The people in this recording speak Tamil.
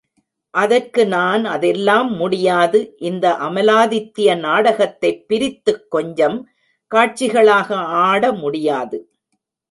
அதற்கு நான் அதெல்லாம் முடியாது இந்த அமலாதித்ய நாடகத்தைப் பிரித்துக் கொஞ்சம் காட்சிகளாக ஆட முடியாது.